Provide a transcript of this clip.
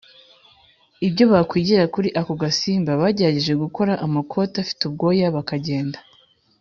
ibyo bakwigira kuri ako gasimba Bagerageje gukora amakoti afite ubwoya bakagenda